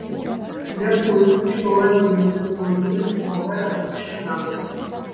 Мяркуецца, што ў раёне будзе знойдзена новае радовішча нафты.